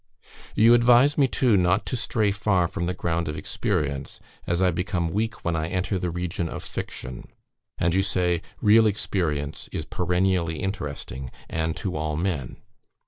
"You advise me, too, not to stray far from the ground of experience, as I become weak when I enter the region of fiction; and you say, 'real experience is perennially interesting, and to all men.'